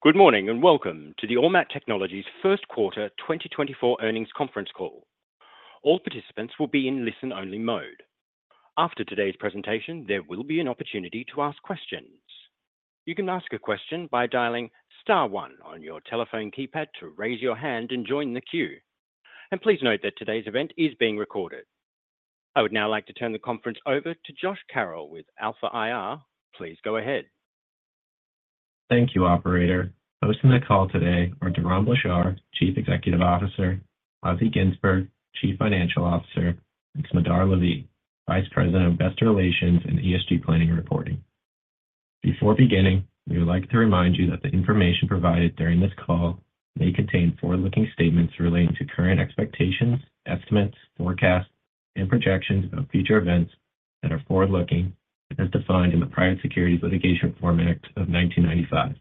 Good morning and welcome to the Ormat Technologies First Quarter 2024 Earnings Conference Call. All participants will be in listen-only mode. After today's presentation, there will be an opportunity to ask questions. You can ask a question by dialing star one on your telephone keypad to raise your hand and join the queue, and please note that today's event is being recorded. I would now like to turn the conference over to Josh Carroll with Alpha IR. Please go ahead. Thank you, Operator. Hosting the call today are Doron Blachar, Chief Executive Officer, Assi Ginzburg, Chief Financial Officer, and Smadar Lavi, Vice President of Business Relations and ESG Planning and Reporting. Before beginning, we would like to remind you that the information provided during this call may contain forward-looking statements relating to current expectations, estimates, forecasts, and projections about future events that are forward-looking and as defined in the Private Securities Litigation Reform Act of 1995.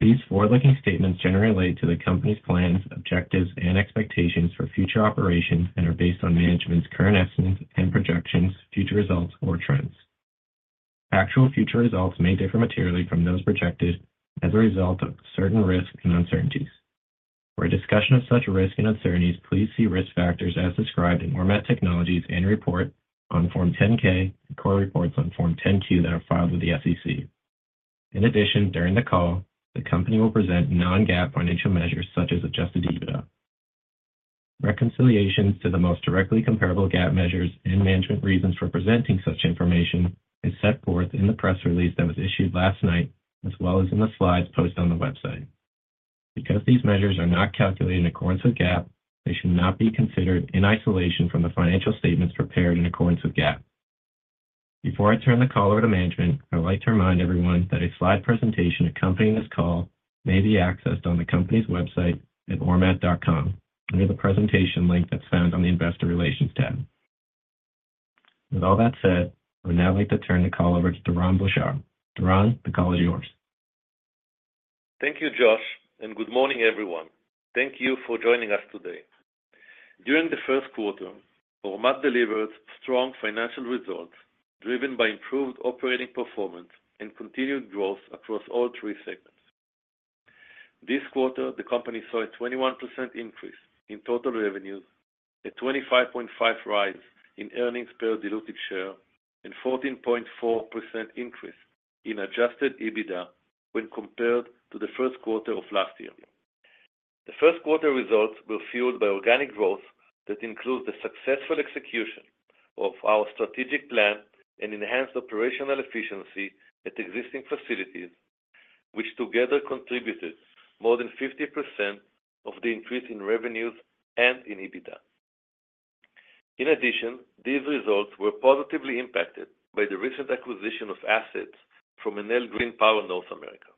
These forward-looking statements generally relate to the company's plans, objectives, and expectations for future operations and are based on management's current estimates and projections, future results, or trends. Actual future results may differ materially from those projected as a result of certain risks and uncertainties. For a discussion of such risk and uncertainties, please see risk factors as described in Ormat Technologies' annual report on Form 10-K and quarterly reports on Form 10-Q that are filed with the SEC. In addition, during the call, the company will present non-GAAP financial measures such as Adjusted EBITDA. Reconciliations to the most directly comparable GAAP measures and management reasons for presenting such information is set forth in the press release that was issued last night as well as in the slides posted on the website. Because these measures are not calculated in accordance with GAAP, they should not be considered in isolation from the financial statements prepared in accordance with GAAP. Before I turn the call over to management, I would like to remind everyone that a slide presentation accompanying this call may be accessed on the company's website at ormat.com under the presentation link that's found on the Investor Relations tab. With all that said, I would now like to turn the call over to Doron Blachar. Doron, the call is yours. Thank you, Josh, and good morning, everyone. Thank you for joining us today. During the first quarter, Ormat delivered strong financial results driven by improved operating performance and continued growth across all three segments. This quarter, the company saw a 21% increase in total revenues, a 25.5% rise in earnings per diluted share, and a 14.4% increase in Adjusted EBITDA when compared to the first quarter of last year. The first quarter results were fueled by organic growth that includes the successful execution of our strategic plan and enhanced operational efficiency at existing facilities, which together contributed more than 50% of the increase in revenues and in EBITDA. In addition, these results were positively impacted by the recent acquisition of assets from Enel Green Power North America.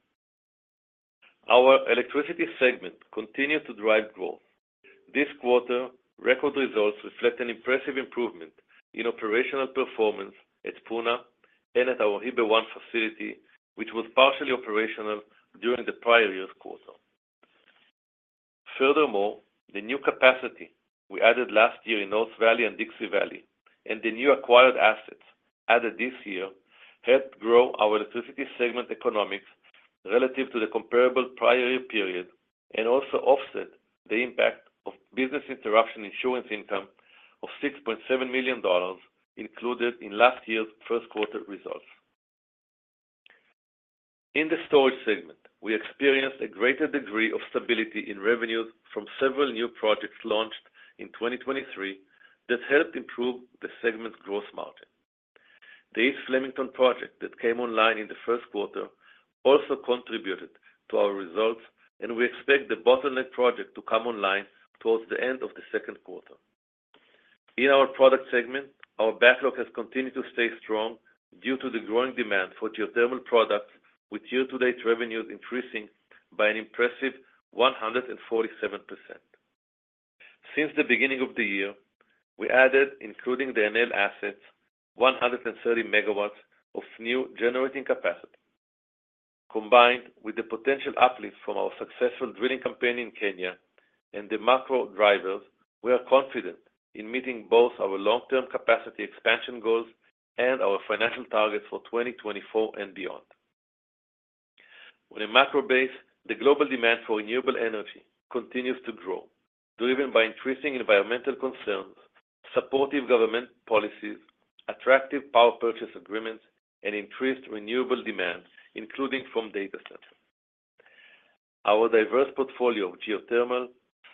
Our electricity segment continued to drive growth. This quarter, record results reflect an impressive improvement in operational performance at Puna and at our Heber 1 facility, which was partially operational during the prior year's quarter. Furthermore, the new capacity we added last year in North Valley and Dixie Valley, and the new acquired assets added this year, helped grow our electricity segment economics relative to the comparable prior year period and also offset the impact of business interruption insurance income of $6.7 million included in last year's first quarter results. In the storage segment, we experienced a greater degree of stability in revenues from several new projects launched in 2023 that helped improve the segment's gross margin. The East Flemington project that came online in the first quarter also contributed to our results, and we expect the Bottleneck project to come online towards the end of the second quarter. In our product segment, our backlog has continued to stay strong due to the growing demand for geothermal products, with year-to-date revenues increasing by an impressive 147%. Since the beginning of the year, we added, including the Enel assets, 130 MW of new generating capacity. Combined with the potential uplift from our successful drilling campaign in Kenya and the macro drivers, we are confident in meeting both our long-term capacity expansion goals and our financial targets for 2024 and beyond. On a macro basis, the global demand for renewable energy continues to grow, driven by increasing environmental concerns, supportive government policies, attractive power purchase agreements, and increased renewable demand, including from data centers. Our diverse portfolio of geothermal,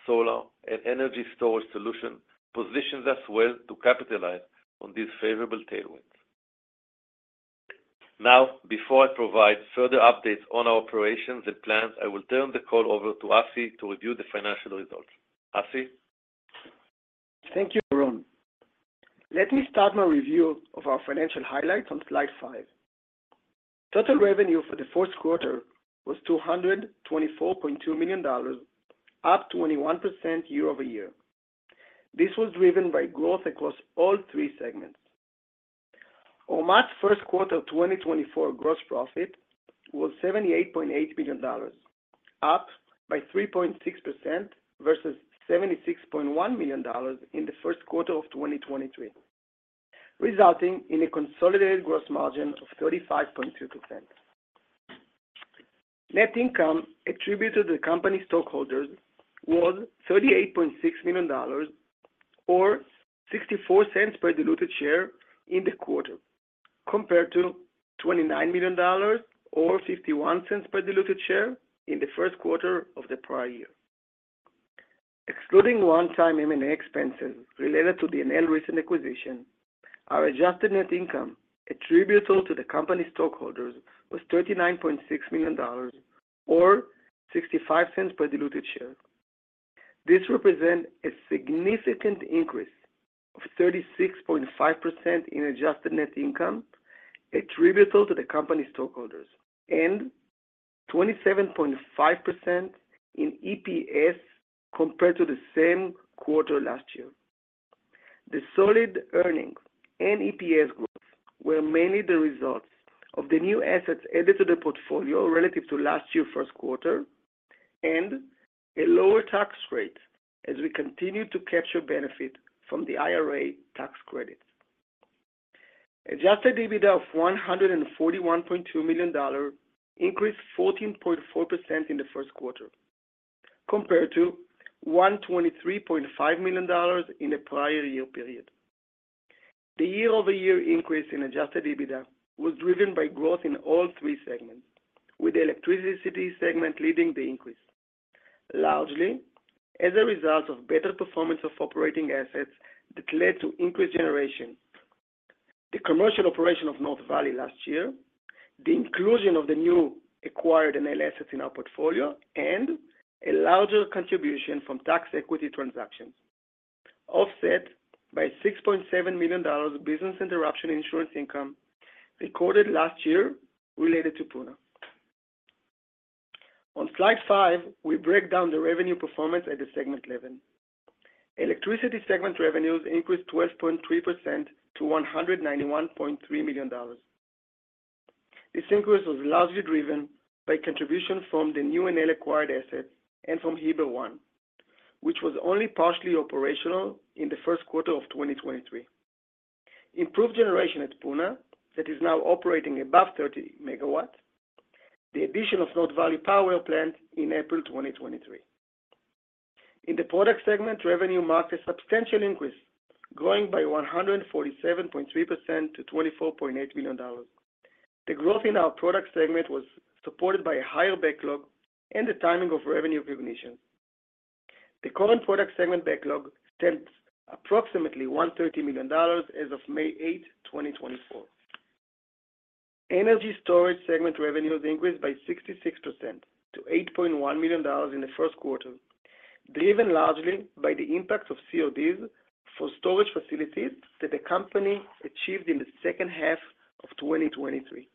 solar, and energy storage solutions positions us well to capitalize on these favorable tailwinds. Now, before I provide further updates on our operations and plans, I will turn the call over to Assi to review the financial results. Assi? Thank you, Doron. Let me start my review of our financial highlights on slide 5. Total revenue for the fourth quarter was $224.2 million, up 21% year-over-year. This was driven by growth across all three segments. Ormat's first quarter 2024 gross profit was $78.8 million, up by 3.6% versus $76.1 million in the first quarter of 2023, resulting in a consolidated gross margin of 35.2%. Net income attributed to the company's stockholders was $38.6 million or $0.64 per diluted share in the quarter, compared to $29 million or $0.51 per diluted share in the first quarter of the prior year. Excluding one-time M&A expenses related to the Enel recent acquisition, our adjusted net income attributed to the company's stockholders was $39.6 million or $0.65 per diluted share. This represents a significant increase of 36.5% in adjusted net income attributed to the company's stockholders and 27.5% in EPS compared to the same quarter last year. The solid earnings and EPS growth were mainly the results of the new assets added to the portfolio relative to last year's first quarter and a lower tax rate as we continue to capture benefit from the IRA tax credits. Adjusted EBITDA of $141.2 million increased 14.4% in the first quarter, compared to $123.5 million in the prior year period. The year-over-year increase in adjusted EBITDA was driven by growth in all three segments, with the electricity segment leading the increase, largely as a result of better performance of operating assets that led to increased generation, the commercial operation of North Valley last year, the inclusion of the new acquired Enel assets in our portfolio, and a larger contribution from tax equity transactions, offset by $6.7 million business interruption insurance income recorded last year related to Puna. On slide 5, we break down the revenue performance at the segment level. Electricity segment revenues increased 12.3% to $191.3 million. This increase was largely driven by contribution from the new Enel acquired assets and from Heber 1, which was only partially operational in the first quarter of 2023, improved generation at Puna that is now operating above 30 MW, and the addition of North Valley Power Plant in April 2023. In the product segment, revenue marked a substantial increase, growing by 147.3% to $24.8 million. The growth in our product segment was supported by a higher backlog and the timing of revenue recognitions. The current product segment backlog stands at approximately $130 million as of May 8, 2024. Energy storage segment revenues increased by 66% to $8.1 million in the first quarter, driven largely by the impact of CODs for storage facilities that the company achieved in the second half of 2023,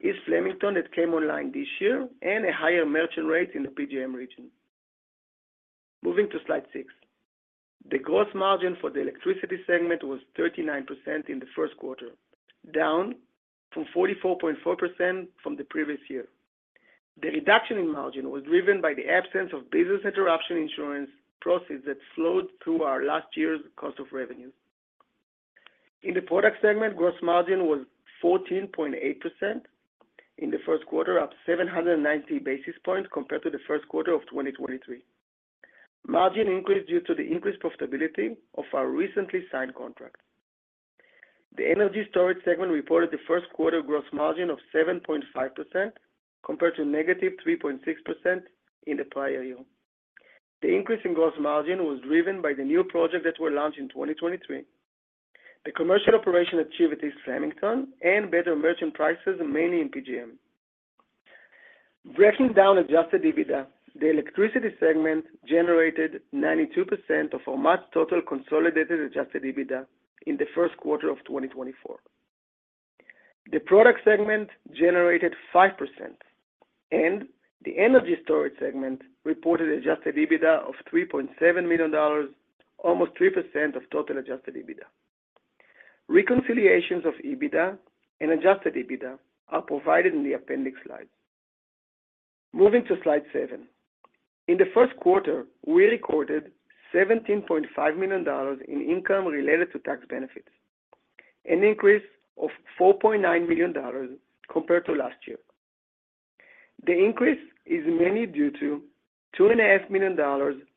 East Flemington that came online this year, and a higher merchant rate in the PJM region. Moving to slide 6. The gross margin for the electricity segment was 39% in the first quarter, down from 44.4% from the previous year. The reduction in margin was driven by the absence of business interruption insurance proceeds that flowed through our last year's cost of revenues. In the product segment, gross margin was 14.8% in the first quarter, up 790 basis points compared to the first quarter of 2023. Margin increased due to the increased profitability of our recently signed contract. The energy storage segment reported the first quarter gross margin of 7.5% compared to -3.6% in the prior year. The increase in gross margin was driven by the new projects that were launched in 2023, the commercial operation achievements at East Flemington, and better merchant prices, mainly in PJM. Breaking down adjusted EBITDA, the electricity segment generated 92% of Ormat's total consolidated adjusted EBITDA in the first quarter of 2024. The product segment generated 5%, and the energy storage segment reported adjusted EBITDA of $3.7 million, almost 3% of total adjusted EBITDA. Reconciliations of EBITDA and adjusted EBITDA are provided in the appendix slides. Moving to slide 7. In the first quarter, we recorded $17.5 million in income related to tax benefits, an increase of $4.9 million compared to last year. The increase is mainly due to $2.5 million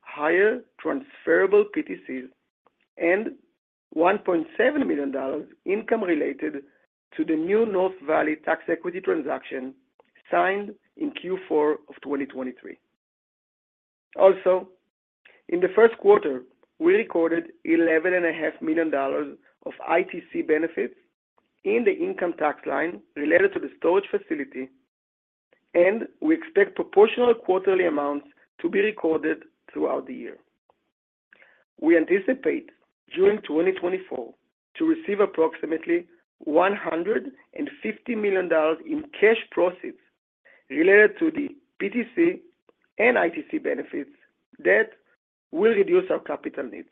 higher transferable PTCs and $1.7 million income related to the new North Valley tax equity transaction signed in Q4 of 2023. Also, in the first quarter, we recorded $11.5 million of ITC benefits in the income tax line related to the storage facility, and we expect proportional quarterly amounts to be recorded throughout the year. We anticipate during 2024 to receive approximately $150 million in cash proceeds related to the PTC and ITC benefits that will reduce our capital needs,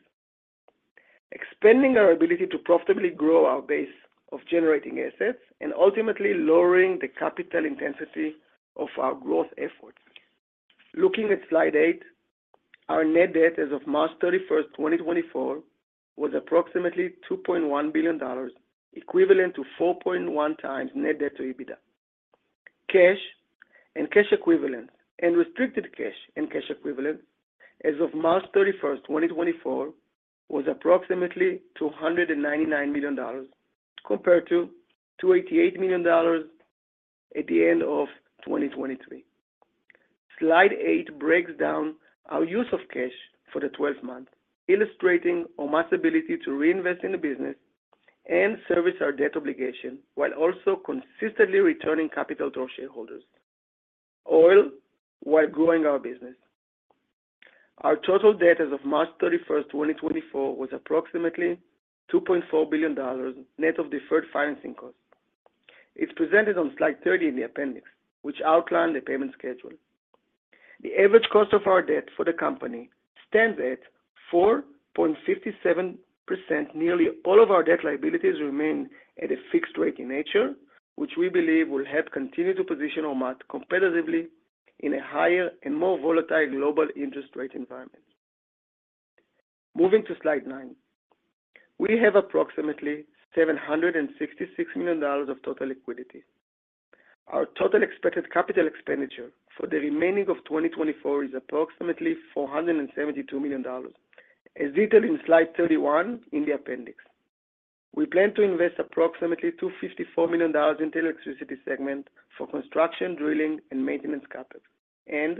expanding our ability to profitably grow our base of generating assets, and ultimately lowering the capital intensity of our growth efforts. Looking at slide 8, our net debt as of March 31st, 2024, was approximately $2.1 billion, equivalent to 4.1x net debt to EBITDA. Cash and cash equivalents and restricted cash and cash equivalents as of March 31st, 2024, was approximately $299 million compared to $288 million at the end of 2023. Slide 8 breaks down our use of cash for the 12 months, illustrating Ormat's ability to reinvest in the business and service our debt obligation while also consistently returning capital to our shareholders, while growing our business. Our total debt as of March 31st, 2024, was approximately $2.4 billion net of deferred financing costs. It's presented on slide 30 in the appendix, which outlines the payment schedule. The average cost of our debt for the company stands at 4.57%. Nearly all of our debt liabilities remain at a fixed rate in nature, which we believe will help continue to position Ormat competitively in a higher and more volatile global interest rate environment. Moving to slide 9. We have approximately $766 million of total liquidity. Our total expected capital expenditure for the remaining of 2024 is approximately $472 million, as detailed in slide 31 in the appendix. We plan to invest approximately $254 million in the electricity segment for construction, drilling, and maintenance capital, and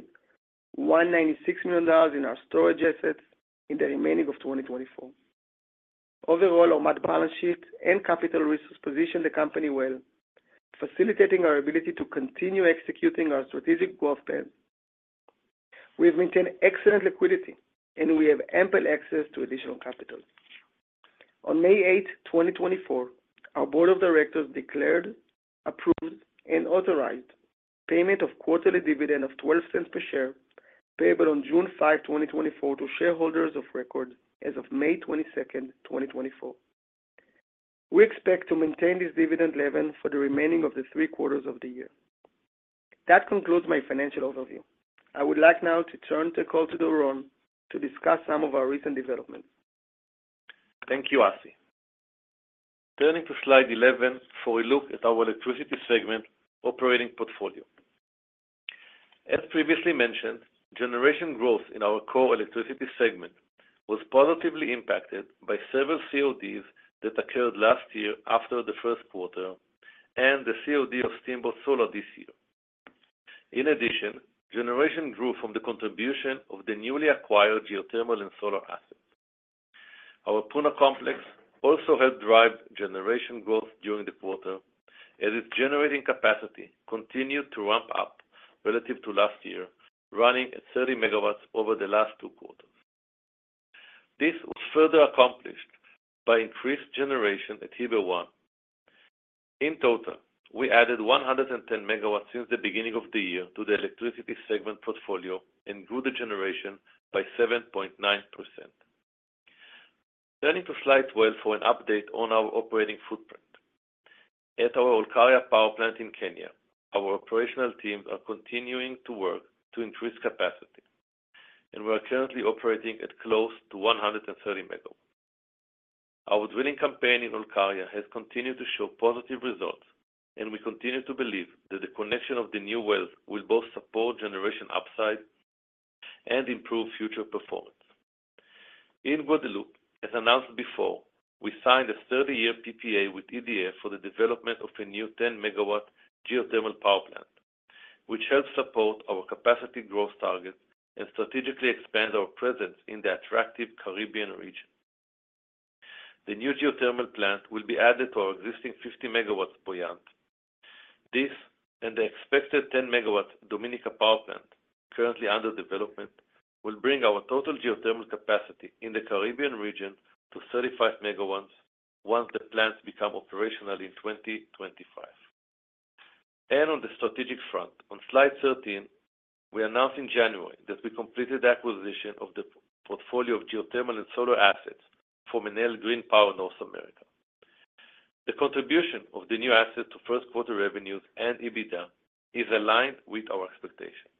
$196 million in our storage assets in the remaining of 2024. Overall, Ormat's balance sheet and capital resources position the company well, facilitating our ability to continue executing our strategic growth plans. We have maintained excellent liquidity, and we have ample access to additional capital. On May 8, 2024, our board of directors declared, approved, and authorized payment of quarterly dividend of $0.12 per share payable on June 5, 2024, to shareholders of record as of May 22nd, 2024. We expect to maintain this dividend level for the remaining of the three quarters of the year. That concludes my financial overview. I would like now to turn the call to Aron to discuss some of our recent developments. Thank you, Assi. Turning to slide 11 for a look at our electricity segment operating portfolio. As previously mentioned, generation growth in our core electricity segment was positively impacted by several CODs that occurred last year after the first quarter and the COD of Steamboat solar this year. In addition, generation grew from the contribution of the newly acquired geothermal and solar assets. Our Puna complex also helped drive generation growth during the quarter, as its generating capacity continued to ramp up relative to last year, running at 30 megawatts over the last two quarters. This was further accomplished by increased generation at Heber 1. In total, we added 110 megawatts since the beginning of the year to the electricity segment portfolio and grew the generation by 7.9%. Turning to slide 12 for an update on our operating footprint. At our Olkaria Power Plant in Kenya, our operational teams are continuing to work to increase capacity, and we are currently operating at close to 130 megawatts. Our drilling campaign in Olkaria has continued to show positive results, and we continue to believe that the connection of the new wells will both support generation upside and improve future performance. In Guadeloupe, as announced before, we signed a 30-year PPA with EDF for the development of a new 10-megawatt geothermal power plant, which helps support our capacity growth targets and strategically expands our presence in the attractive Caribbean region. The new geothermal plant will be added to our existing 50-megawatt Bouillante. This and the expected 10-megawatt Dominica Power Plant, currently under development, will bring our total geothermal capacity in the Caribbean region to 35 megawatts once the plants become operational in 2025. On the strategic front, on slide 13, we announced in January that we completed the acquisition of the portfolio of geothermal and solar assets from Enel Green Power North America. The contribution of the new assets to first-quarter revenues and EBITDA is aligned with our expectations.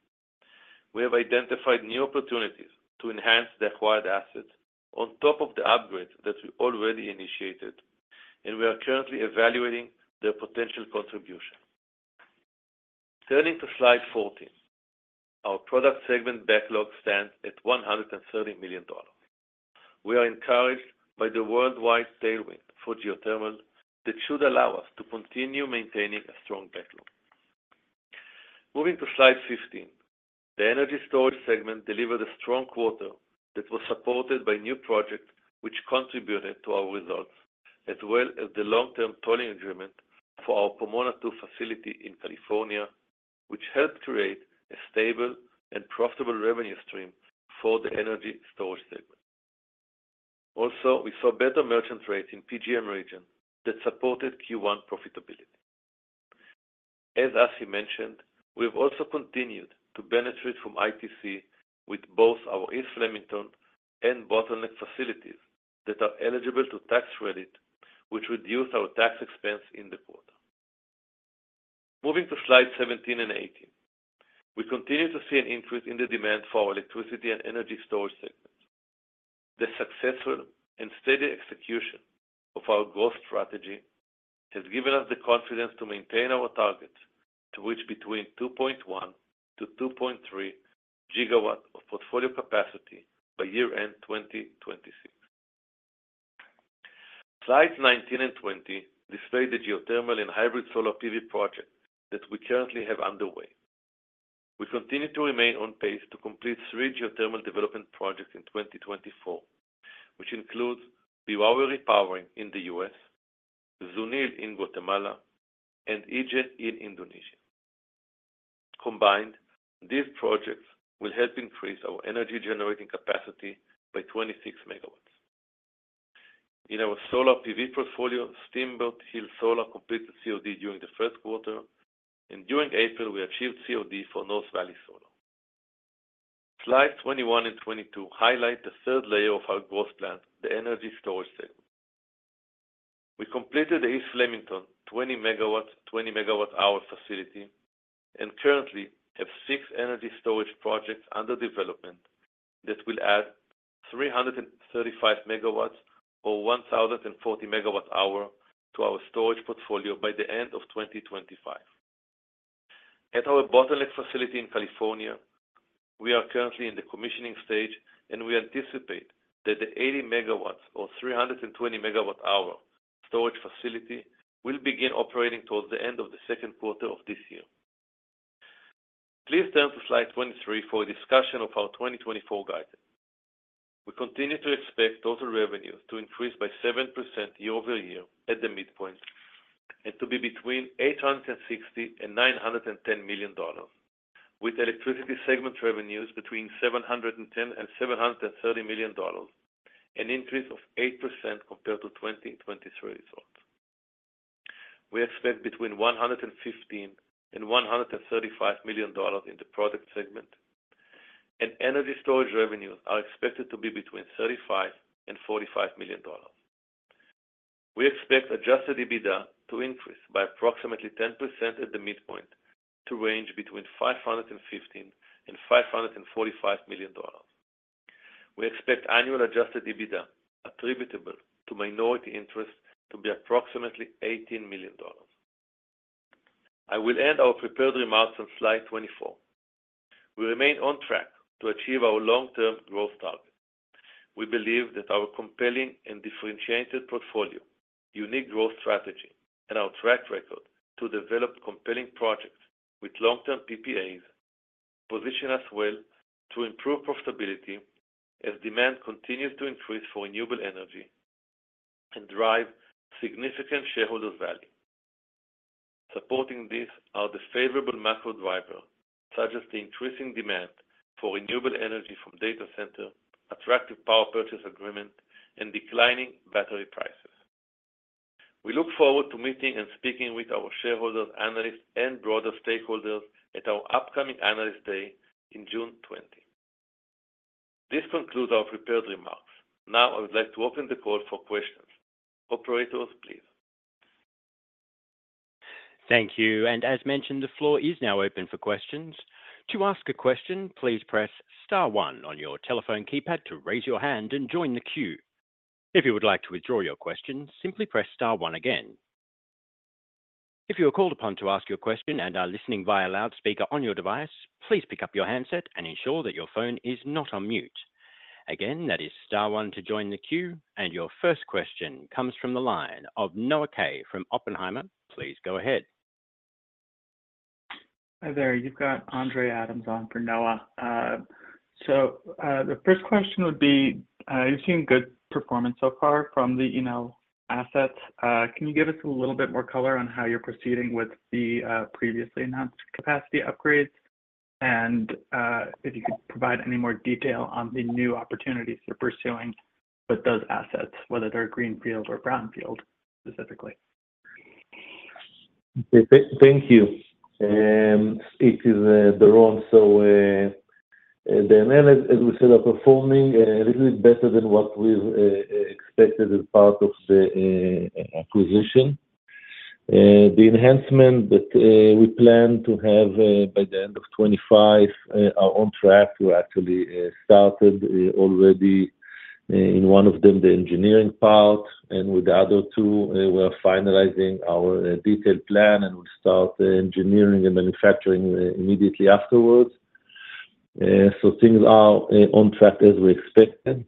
We have identified new opportunities to enhance the acquired assets on top of the upgrades that we already initiated, and we are currently evaluating their potential contribution. Turning to slide 14. Our product segment backlog stands at $130 million. We are encouraged by the worldwide tailwind for geothermal that should allow us to continue maintaining a strong backlog. Moving to slide 15. The energy storage segment delivered a strong quarter that was supported by new projects which contributed to our results, as well as the long-term tolling agreement for our Pomona II facility in California, which helped create a stable and profitable revenue stream for the energy storage segment. Also, we saw better merchant rates in the PJM region that supported Q1 profitability. As Assi mentioned, we have also continued to benefit from ITC with both our East Flemington and Bottleneck facilities that are eligible to tax credit, which reduced our tax expense in the quarter. Moving to slides 17 and 18. We continue to see an increase in the demand for our electricity and energy storage segments. The successful and steady execution of our growth strategy has given us the confidence to maintain our targets to reach between 2.1-2.3 gigawatts of portfolio capacity by year-end 2026. Slides 19 and 20 display the geothermal and hybrid solar PV projects that we currently have underway. We continue to remain on pace to complete three geothermal development projects in 2024, which include Beowawe Repowering in the U.S., Zunil in Guatemala, and Ijen in Indonesia. Combined, these projects will help increase our energy-generating capacity by 26 MW. In our solar PV portfolio, Steamboat Hills Solar completed COD during the first quarter, and during April, we achieved COD for North Valley Solar. Slides 21 and 22 highlight the third layer of our growth plant, the energy storage segment. We completed the East Flemington 20 MWh facility and currently have six energy storage projects under development that will add 335 MW or 1,040 MWh to our storage portfolio by the end of 2025. At our Bottleneck facility in California, we are currently in the commissioning stage, and we anticipate that the 80 MW or 320 MWh storage facility will begin operating towards the end of the second quarter of this year. Please turn to slide 23 for a discussion of our 2024 guidance. We continue to expect total revenues to increase by 7% year-over-year at the midpoint and to be between $860 million-$910 million, with electricity segment revenues between $710 million-$730 million, an increase of 8% compared to 2023 results. We expect between $115 million-$135 million in the product segment, and energy storage revenues are expected to be between $35 million-$45 million. We expect Adjusted EBITDA to increase by approximately 10% at the midpoint to range between $515 million-$545 million. We expect annual Adjusted EBITDA attributable to minority interest to be approximately $18 million. I will end our prepared remarks on slide 24. We remain on track to achieve our long-term growth target. We believe that our compelling and differentiated portfolio, unique growth strategy, and our track record to develop compelling projects with long-term PPAs position us well to improve profitability as demand continues to increase for renewable energy and drive significant shareholder value. Supporting this are the favorable macro drivers such as the increasing demand for renewable energy from data centers, attractive power purchase agreements, and declining battery prices. We look forward to meeting and speaking with our shareholders, analysts, and broader stakeholders at our upcoming analysts' day in June 20. This concludes our prepared remarks. Now, I would like to open the call for questions. Operators, please. Thank you. And as mentioned, the floor is now open for questions. To ask a question, please press star one on your telephone keypad to raise your hand and join the queue. If you would like to withdraw your question, simply press star one again. If you are called upon to ask your question and are listening via loudspeaker on your device, please pick up your handset and ensure that your phone is not on mute. Again, that is star one to join the queue, and your first question comes from the line of Noah Kaye from Oppenheimer. Please go ahead. Hi there. You've got Andre Adams on for Noah. The first question would be, you've seen good performance so far from the Enel assets. Can you give us a little bit more color on how you're proceeding with the previously announced capacity upgrades? And if you could provide any more detail on the new opportunities you're pursuing with those assets, whether they're Greenfield or Brownfield specifically. Thank you. It is the role. So the assets, as we said, are performing a little bit better than what we've expected as part of the acquisition. The enhancement that we plan to have by the end of 2025, on track, we're actually started already in one of them, the engineering part. And with the other two, we are finalizing our detailed plan, and we'll start engineering and manufacturing immediately afterwards. So things are on track as we expected.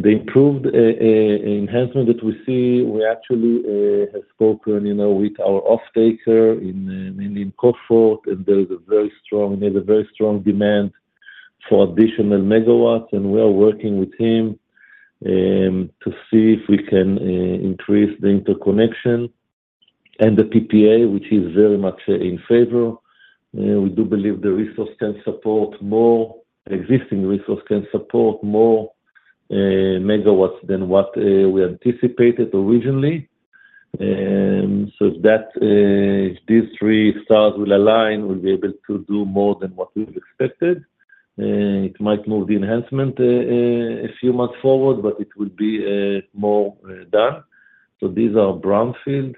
The improved enhancement that we see, we actually have spoken with our off-taker mainly in Cove Fort, and there is a very strong demand for additional megawatts, and we are working with him to see if we can increase the interconnection and the PPA, which is very much in favor. We do believe the resource can support more megawatts than what we anticipated originally. So if these three stars will align, we'll be able to do more than what we've expected. It might move the enhancement a few months forward, but it will be more done. So these are brownfield.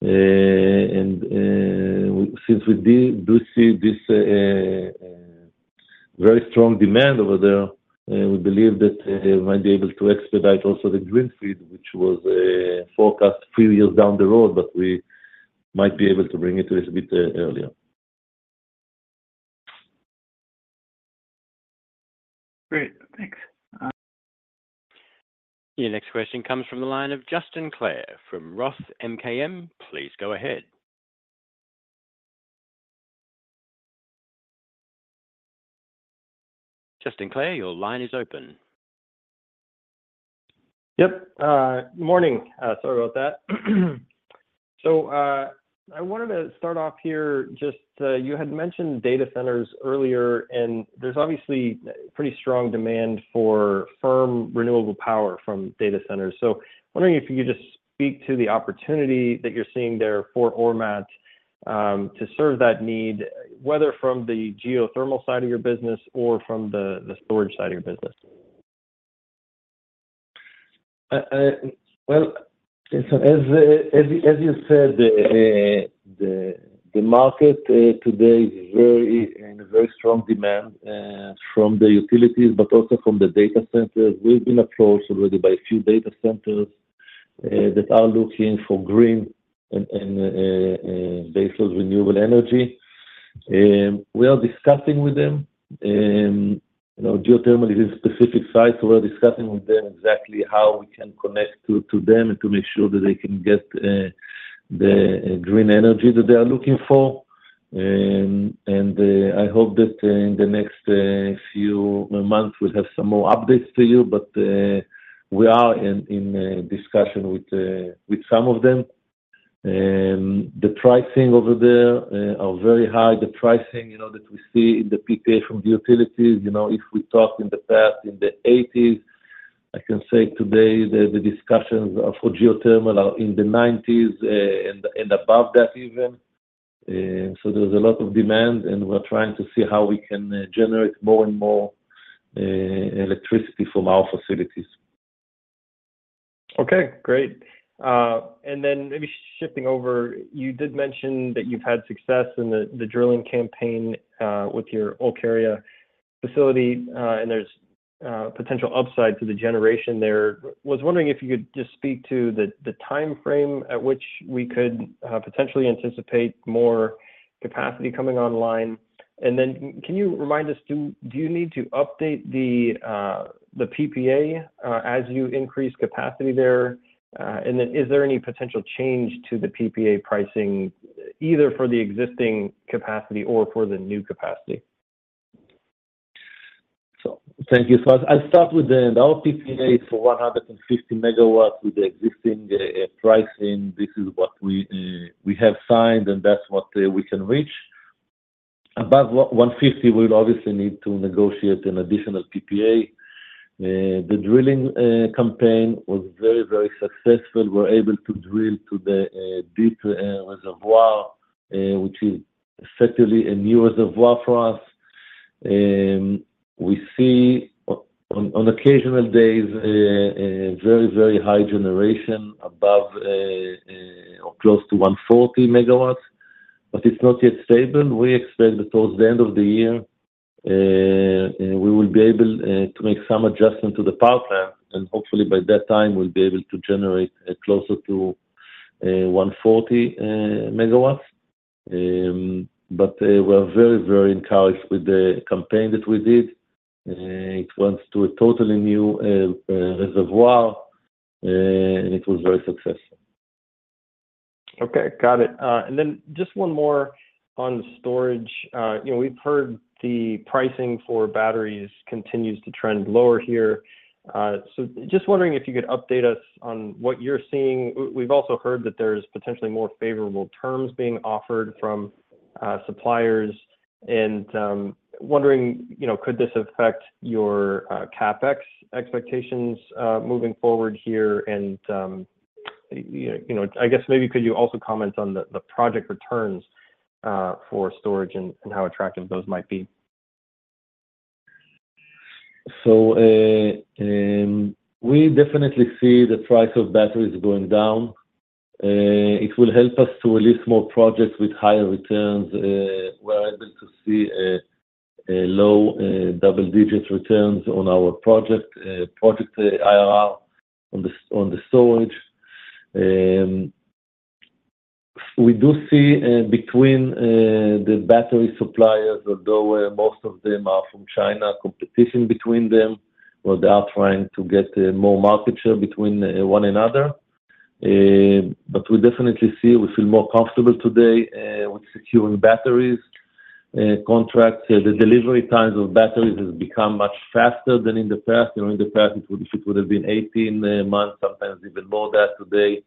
And since we do see this very strong demand over there, we believe that we might be able to expedite also the greenfield, which was forecast a few years down the road, but we might be able to bring it a little bit earlier. Great. Thanks. Your next question comes from the line of Justin Clare from Roth MKM. Please go ahead. Justin Clare, your line is open. Yep. Good morning. Sorry about that. So I wanted to start off here just you had mentioned data centers earlier, and there's obviously pretty strong demand for firm renewable power from data centers. So wondering if you could just speak to the opportunity that you're seeing there for Ormat to serve that need, whether from the geothermal side of your business or from the storage side of your business? Well, as you said, the market today is in very strong demand from the utilities, but also from the data centers. We've been approached already by a few data centers that are looking for green and baseload renewable energy. We are discussing with them. Geothermal is in specific sites, so we're discussing with them exactly how we can connect to them and to make sure that they can get the green energy that they are looking for. And I hope that in the next few months, we'll have some more updates to you, but we are in discussion with some of them. The pricing over there are very high. The pricing that we see in the PPA from the utilities, if we talk in the past, in the '80s, I can say today that the discussions for geothermal are in the '90s and above that even. There's a lot of demand, and we're trying to see how we can generate more and more electricity from our facilities. Okay. Great. And then maybe shifting over, you did mention that you've had success in the drilling campaign with your Olkaria facility, and there's potential upside to the generation there. I was wondering if you could just speak to the timeframe at which we could potentially anticipate more capacity coming online. And then can you remind us, do you need to update the PPA as you increase capacity there? And then is there any potential change to the PPA pricing, either for the existing capacity or for the new capacity? Thank you for asking. I'll start with the end. Our PPA is for 150 MW with the existing pricing. This is what we have signed, and that's what we can reach. Above 150, we'll obviously need to negotiate an additional PPA. The drilling campaign was very, very successful. We're able to drill to the deep reservoir, which is effectively a new reservoir for us. We see on occasional days very, very high generation above or close to 140 MW, but it's not yet stable. We expect that towards the end of the year, we will be able to make some adjustment to the power plant, and hopefully, by that time, we'll be able to generate closer to 140 MW. But we are very, very encouraged with the campaign that we did. It went to a totally new reservoir, and it was very successful. Okay. Got it. And then just one more on the storage. We've heard the pricing for batteries continues to trend lower here. So just wondering if you could update us on what you're seeing? We've also heard that there's potentially more favorable terms being offered from suppliers. And wondering, could this affect your CapEx expectations moving forward here? And I guess maybe could you also comment on the project returns for storage and how attractive those might be? So we definitely see the price of batteries going down. It will help us to release more projects with higher returns. We're able to see low double-digit returns on our project IRR on the storage. We do see between the battery suppliers, although most of them are from China, competition between them, or they are trying to get more market share between one another. But we definitely see we feel more comfortable today with securing batteries contracts. The delivery times of batteries have become much faster than in the past. In the past, if it would have been 18 months, sometimes even more than that, today,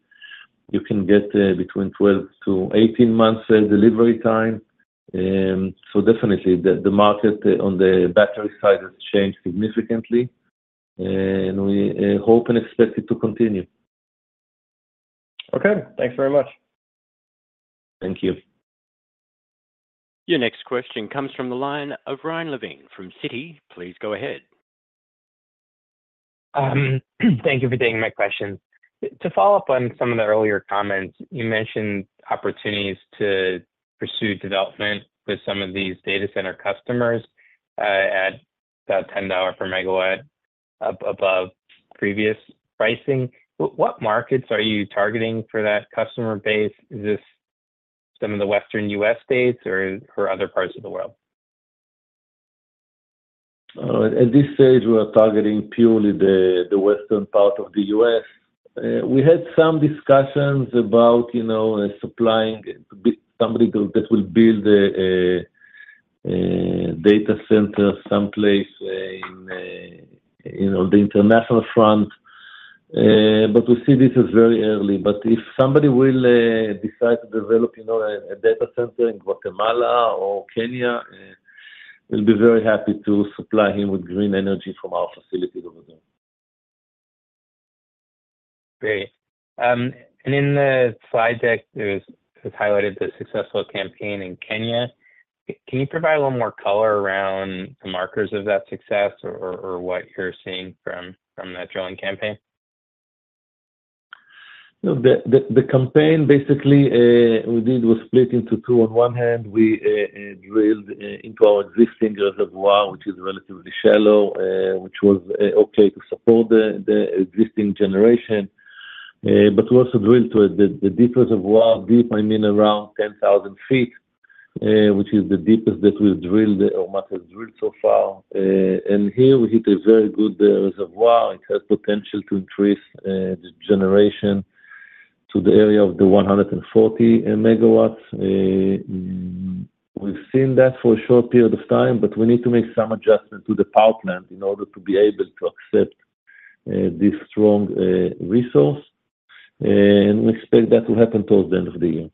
you can get between 12 to 18 months delivery time. So definitely, the market on the battery side has changed significantly, and we hope and expect it to continue. Okay. Thanks very much. Thank you. Your next question comes from the line of Ryan Levine from Citi. Please go ahead. Thank you for taking my question. To follow up on some of the earlier comments, you mentioned opportunities to pursue development with some of these data center customers at about $10 per megawatt above previous pricing. What markets are you targeting for that customer base? Is this some of the Western U.S. states or other parts of the world? At this stage, we are targeting purely the Western part of the U.S. We had some discussions about supplying somebody that will build a data center someplace on the international front, but we see this as very early. But if somebody will decide to develop a data center in Guatemala or Kenya, we'll be very happy to supply him with green energy from our facilities over there. Great. In the slide deck, it was highlighted the successful campaign in Kenya. Can you provide a little more color around the markers of that success or what you're seeing from that drilling campaign? The campaign, basically, we did was split into two. On one hand, we drilled into our existing reservoir, which is relatively shallow, which was okay to support the existing generation. But we also drilled to the deep reservoir. Deep, I mean around 10,000 feet, which is the deepest that we've drilled or much has drilled so far. And here, we hit a very good reservoir. It has potential to increase the generation to the area of the 140 MW. We've seen that for a short period of time, but we need to make some adjustment to the power plant in order to be able to accept this strong resource. And we expect that to happen towards the end of the year.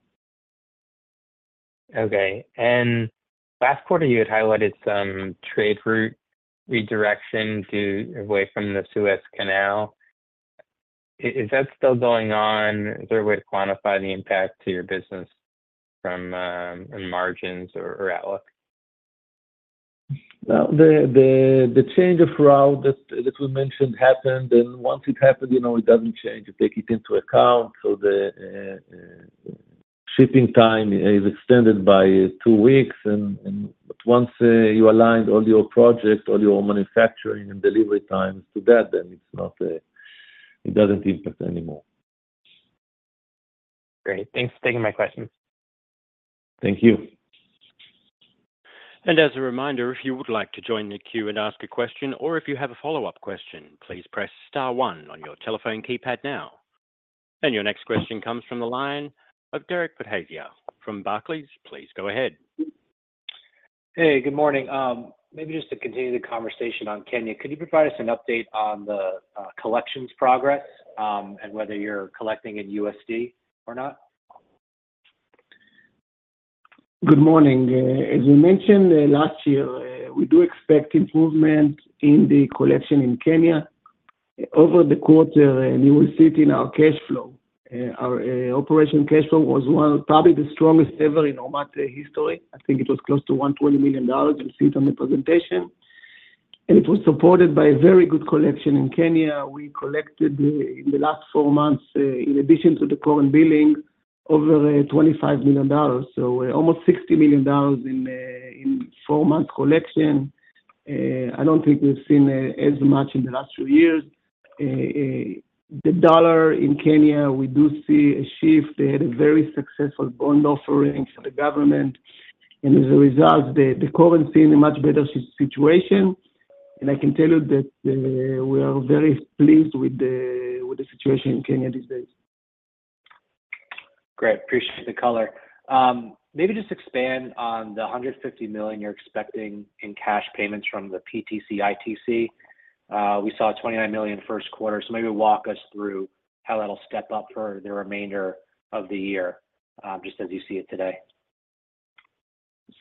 Okay. Last quarter, you had highlighted some trade route redirection away from the Suez Canal. Is that still going on? Is there a way to quantify the impact to your business in margins or outlook? Well, the change of route that we mentioned happened. Once it happened, it doesn't change. You take it into account. The shipping time is extended by two weeks. Once you aligned all your projects, all your manufacturing and delivery times to that, then it doesn't impact anymore. Great. Thanks for taking my questions. Thank you. As a reminder, if you would like to join the queue and ask a question or if you have a follow-up question, please press star one on your telephone keypad now. Your next question comes from the line of Derek Podhaizer from Barclays. Please go ahead. Hey. Good morning. Maybe just to continue the conversation on Kenya, could you provide us an update on the collections progress and whether you're collecting in USD or not? Good morning. As we mentioned last year, we do expect improvement in the collection in Kenya. Over the quarter, you will see it in our cash flow. Our operating cash flow was probably the strongest ever in Ormat history. I think it was close to $120 million. You'll see it on the presentation. And it was supported by a very good collection in Kenya. We collected in the last four months, in addition to the current billing, over $25 million. So almost $60 million in four months collection. I don't think we've seen as much in the last few years. The dollar in Kenya, we do see a shift. They had a very successful bond offering for the government. And as a result, the currency is in a much better situation. And I can tell you that we are very pleased with the situation in Kenya these days. Great. Appreciate the color. Maybe just expand on the $150 million you're expecting in cash payments from the PTCITC. We saw $29 million first quarter. So maybe walk us through how that'll step up for the remainder of the year just as you see it today.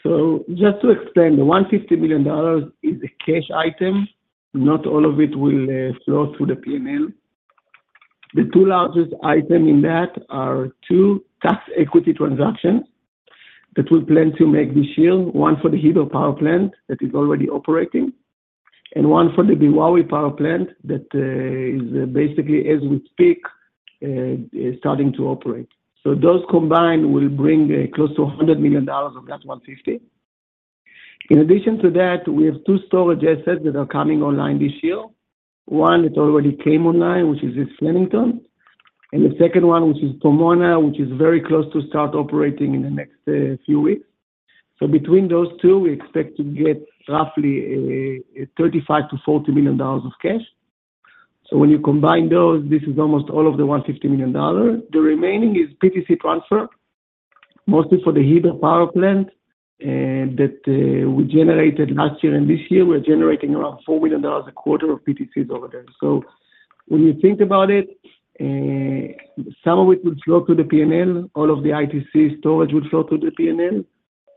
So just to explain, the $150 million is a cash item. Not all of it will flow through the P&L. The two largest items in that are two tax equity transactions that we plan to make this year, one for the Heber 2 power plant that is already operating and one for the Beowawe power plant that is basically, as we speak, starting to operate. So those combined will bring close to $100 million of that 150. In addition to that, we have two storage assets that are coming online this year. One that already came online, which is East Flemington, and the second one, which is Pomona, which is very close to start operating in the next few weeks. So between those two, we expect to get roughly $35-$40 million of cash. So when you combine those, this is almost all of the $150 million. The remaining is PTC transfer, mostly for the Heber 2 power plant that we generated last year. This year, we're generating around $4 million a quarter of PTCs over there. So when you think about it, some of it will flow through the P&L. All of the ITC storage will flow through the P&L.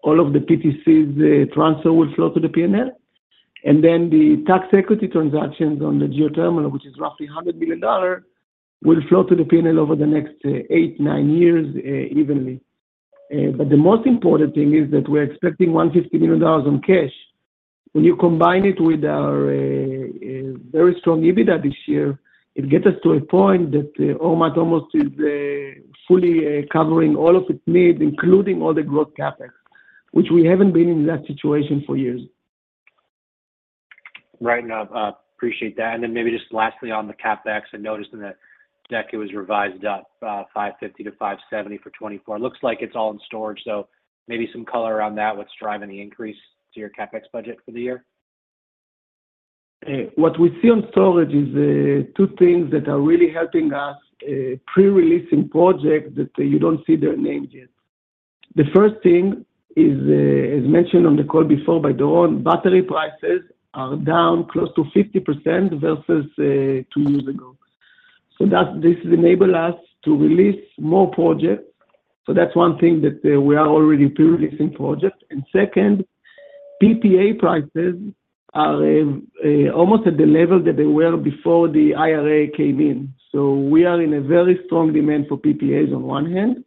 All of the PTCs transfer will flow through the P&L. Then the tax equity transactions on the geothermal, which is roughly $100 million, will flow through the P&L over the next 8-9 years evenly. But the most important thing is that we're expecting $150 million in cash. When you combine it with our very strong EBITDA this year, it gets us to a point that Ormat almost is fully covering all of its needs, including all the growth CapEx, which we haven't been in that situation for years. Right. No. I appreciate that. And then maybe just lastly, on the CapEx, I noticed in the deck it was revised up $550-$570 for 2024. Looks like it's all in storage. So maybe some color around that, what's driving the increase to your CapEx budget for the year? What we see on storage is two things that are really helping us pre-releasing projects that you don't see their names yet. The first thing is, as mentioned on the call before by Doron, battery prices are down close to 50% versus two years ago. So this enables us to release more projects. So that's one thing that we are already pre-releasing projects. And second, PPA prices are almost at the level that they were before the IRA came in. So we are in a very strong demand for PPAs on one hand.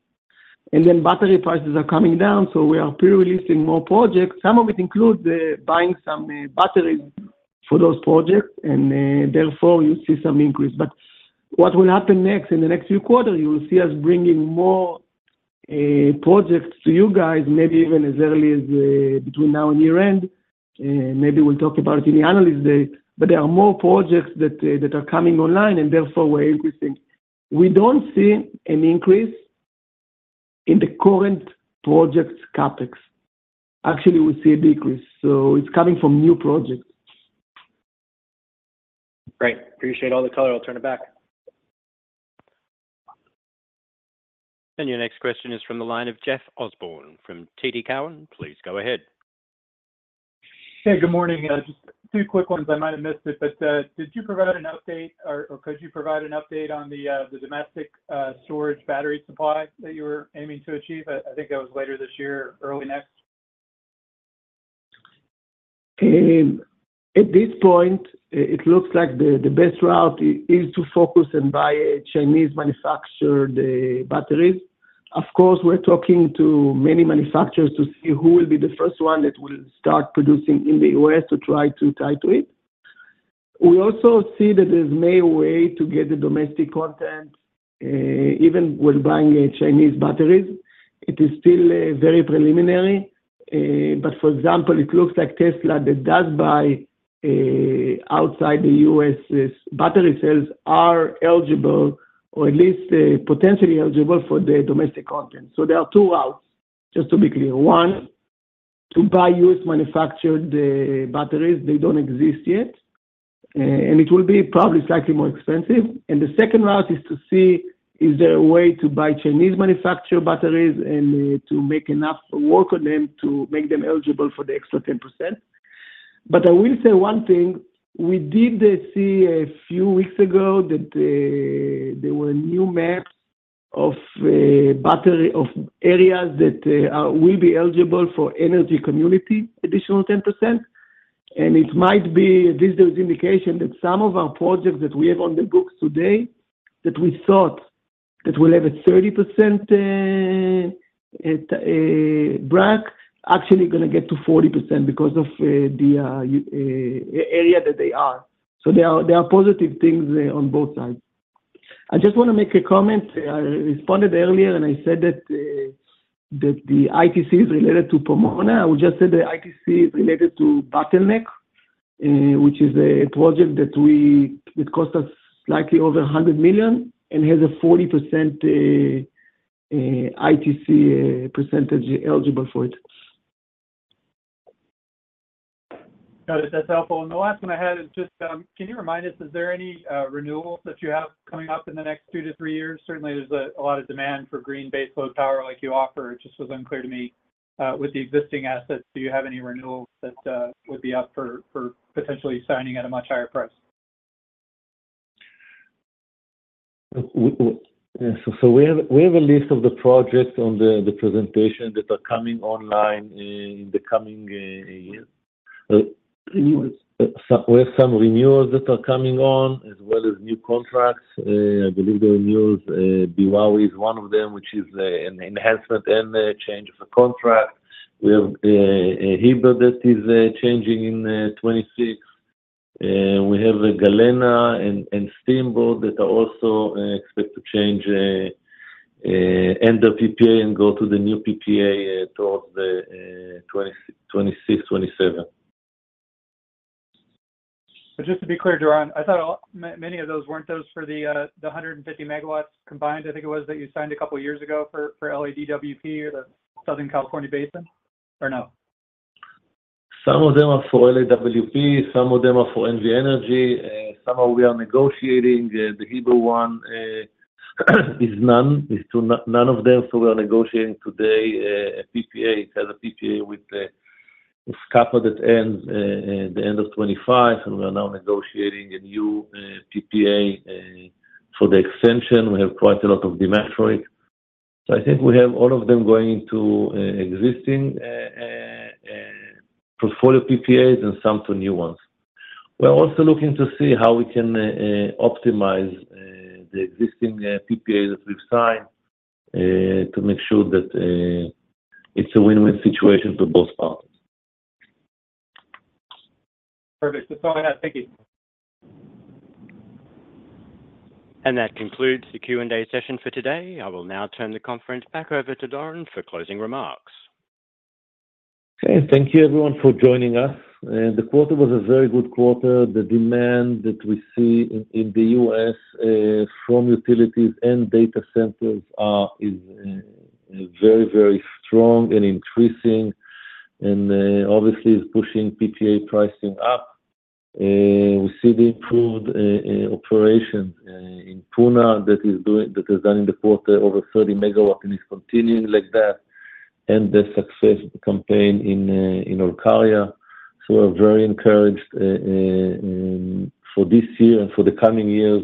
And then battery prices are coming down. So we are pre-releasing more projects. Some of it includes buying some batteries for those projects. And therefore, you see some increase. But what will happen next in the next few quarters, you will see us bringing more projects to you guys, maybe even as early as between now and year-end. Maybe we'll talk about it in the Analyst Day. But there are more projects that are coming online, and therefore, we're increasing. We don't see an increase in the current project's CapEx. Actually, we see a decrease. So it's coming from new projects. Great. Appreciate all the color. I'll turn it back. Your next question is from the line of Jeff Osborne from TD Cowen. Please go ahead. Hey. Good morning. Just two quick ones. I might have missed it, but did you provide an update or could you provide an update on the domestic storage battery supply that you were aiming to achieve? I think that was later this year, early next. At this point, it looks like the best route is to focus and buy Chinese-manufactured batteries. Of course, we're talking to many manufacturers to see who will be the first one that will start producing in the U.S. to try to tie to it. We also see that there's many ways to get the domestic content. Even when buying Chinese batteries, it is still very preliminary. But for example, it looks like Tesla that does buy outside the U.S. battery cells are eligible or at least potentially eligible for the domestic content. So there are two routes, just to be clear. One, to buy U.S.-manufactured batteries. They don't exist yet. It will be probably slightly more expensive. The second route is to see, is there a way to buy Chinese-manufactured batteries and to make enough work on them to make them eligible for the extra 10%? But I will say one thing. We did see a few weeks ago that there were new maps of areas that will be eligible for energy community additional 10%. And this is an indication that some of our projects that we have on the books today that we thought that we'll have a 30% bracket actually going to get to 40% because of the area that they are. So there are positive things on both sides. I just want to make a comment. I responded earlier, and I said that the ITC is related to Pomona. I will just say the ITC is related to Bottleneck, which is a project that cost us slightly over $100 million and has a 40% ITC percentage eligible for it. Got it. That's helpful. The last one I had is just, can you remind us, is there any renewals that you have coming up in the next 2-3 years? Certainly, there's a lot of demand for green baseload power like you offer. It just was unclear to me with the existing assets. Do you have any renewals that would be up for potentially signing at a much higher price? So we have a list of the projects on the presentation that are coming online in the coming years. We have some renewals that are coming on as well as new contracts. I believe the renewals, Beowawe is one of them, which is an enhancement and change of a contract. We have Heber 2 that is changing in 2026. We have Galena and Steamboat that are also expected to change end of PPA and go to the new PPA towards the 2026, 2027. But just to be clear, Doron, I thought many of those weren't those for the 150 MW combined. I think it was that you signed a couple of years ago for LADWP or the Southern California Basin or no? Some of them are for LADWP. Some of them are for NV Energy. Some we are negotiating. The Heber 2 one is none. It's none of them. So we are negotiating today a PPA. It has a PPA with SCPPA that ends at the end of 2025. And we are now negotiating a new PPA for the extension. We have quite a lot of demand for it. So I think we have all of them going into existing portfolio PPAs and some to new ones. We're also looking to see how we can optimize the existing PPAs that we've signed to make sure that it's a win-win situation for both parties. Perfect. That's all I had. Thank you. That concludes the Q&A session for today. I will now turn the conference back over to Doron for closing remarks. Okay. Thank you, everyone, for joining us. The quarter was a very good quarter. The demand that we see in the U.S. from utilities and data centers is very, very strong and increasing and obviously is pushing PPA pricing up. We see the improved operations in Puna that is done in the quarter. Over 30 megawatts is continuing like that and the success campaign in Olkaria. So we're very encouraged for this year and for the coming years.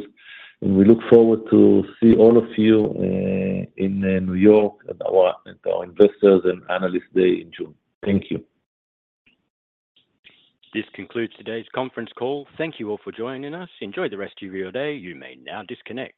And we look forward to see all of you in New York at our investors and analysts day in June. Thank you. This concludes today's conference call. Thank you all for joining us. Enjoy the rest of your day. You may now disconnect.